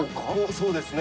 そうですね。